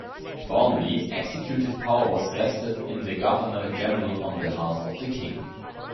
Formally, executive power was vested in the Governor-General on behalf of the King.